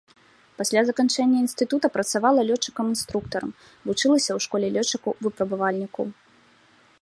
Пасля заканчэння інстытута працавала лётчыкам-інструктарам, вучылася ў школе лётчыкаў-выпрабавальнікаў.